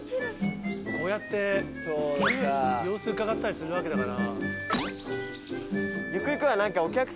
こうやって様子うかがったりするわけだから。